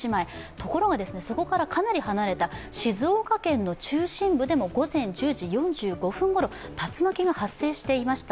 ところがそこからかなり離れた静岡県の中心部でも午前１０時４５分ごろ、竜巻が発生していました。